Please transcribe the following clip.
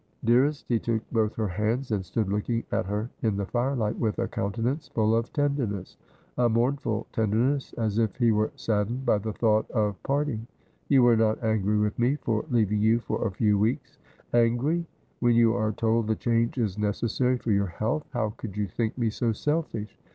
' Dearest !' he took both her hands, and stood looking at her in the firelight, with a countenance full of tenderness — a mourn ful tenderness — as if he were saddened by the thought of part ing. ' You are not angry with me for leaving you for a few weeks V ' Angry, when you are told the change is necessary for your health ! How could you think me so selfish